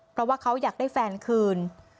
เพราะว่าเขาอยากได้แฟนคืน